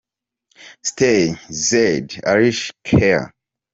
"Stay" - Zedd & Alessia Cara.